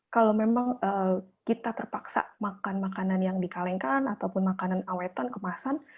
kalau memang kita terpaksa makan makanan yang dikalengkan ataupun makanan awetan kemasan